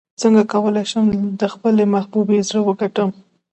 څنګه کولی شم د خپلې محبوبې زړه وګټم